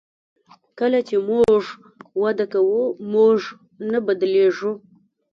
کله چې موږ وده کوو موږ نه بدلیږو.